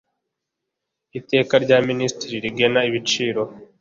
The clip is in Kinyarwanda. iteka rya minisitiri rigena ibiciro